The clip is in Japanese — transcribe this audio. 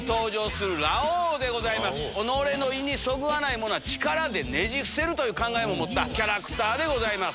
己の意にそぐわない者は力でねじ伏せる考えを持ったキャラクターでございます。